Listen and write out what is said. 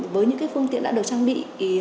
với những phương tiện đã được trang bị